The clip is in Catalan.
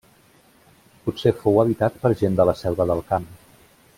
Potser fou habitat per gent de la Selva del Camp.